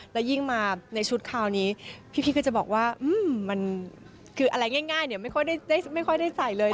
แล้วยิ่งมาในชุดคราวนี้พี่ก็จะบอกว่ามันคืออะไรง่ายเนี่ยไม่ค่อยได้ใส่เลย